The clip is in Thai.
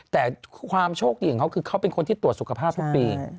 แต่ความโชคดีของเขาคือเขาเป็นคนที่ตรวจสุขภาพทุกปี